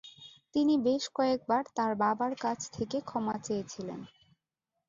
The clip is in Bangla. তিনি বেশ কয়েকবার তার বাবার কাছ থেকে ক্ষমা চেয়েছিলেন।